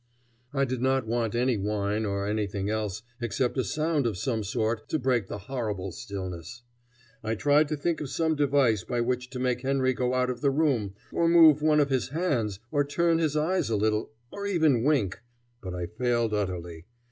I did not want any wine or anything else except a sound of some sort to break the horrible stillness. I tried to think of some device by which to make Henry go out of the room or move one of his hands or turn his eyes a little or even wink; but I failed utterly.